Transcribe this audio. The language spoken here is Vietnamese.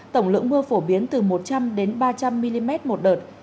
tổng lượng mưa phổ biến từ một trăm linh đến ba trăm linh mm một đợt